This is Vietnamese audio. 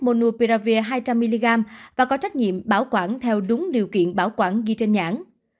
mono piravia hai trăm linh mg và có trách nhiệm bảo quản theo đúng điều kiện bảo quản ghi trên nhãn